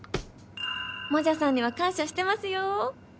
「モジャさんには感謝してますよー」。